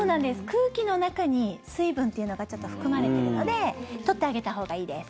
空気の中に水分っていうのがちょっと含まれているので取ってあげたほうがいいです。